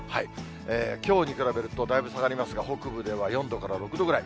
きょうに比べるとだいぶ下がりますが、北部では４度から６度ぐらい。